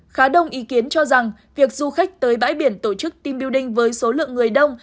khá đông ý kiến cho rằng việc du khách tới bãi biển tổ chức team building với số lượng người đông